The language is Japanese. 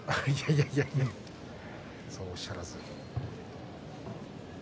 いやいやそうおっしゃらずに。